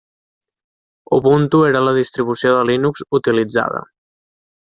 Ubuntu era la distribució de Linux utilitzada.